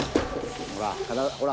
ほら。